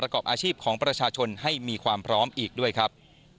อาชีพของประชาชนให้มีความพร้อมอีกด้วยครับ